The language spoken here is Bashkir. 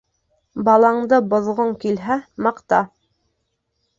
Балаңды боҙғоң килһә, маҡта.